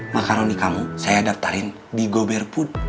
makaroni kamu saya daftarin di go bear food